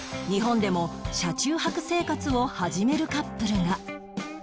日本でも車中泊生活を始めるカップルが